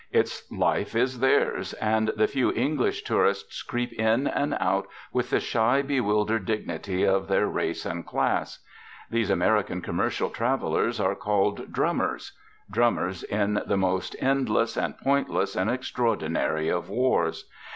Its life is theirs, and the few English tourists creep in and out with the shy, bewildered dignity of their race and class. These American commercial travellers are called 'drummers'; drummers in the most endless and pointless and extraordinary of wars.